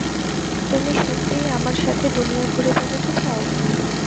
তুমি সত্যিই আমার সাথে দুনিয়া ঘুরে বেড়াতে চাও?